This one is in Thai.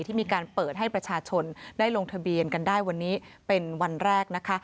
ที่มีการเปิดให้ประชาชนได้ลงทะเบียนกันได้วันนี้เป็นวันแรกนะคะ